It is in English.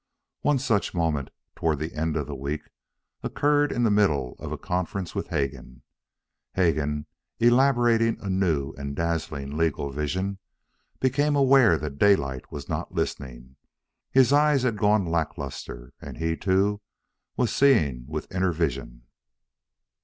One such moment, toward the end of the week, occurred in the middle of a conference with Hegan. Hegan, elaborating a new and dazzling legal vision, became aware that Daylight was not listening. His eyes had gone lack lustre, and he, too, was seeing with inner vision.